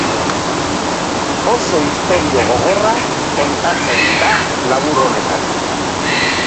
Oso istorio gogorra kontatzen da labur honetan.